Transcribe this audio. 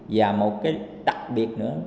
và một cái đặc biệt nữa